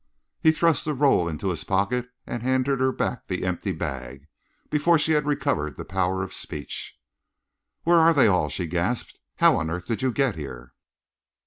He thrust the roll into his pocketbook and handed her back the empty bag before she had recovered the power of speech. "Where are they all?" she gasped. "How on earth did you get here?"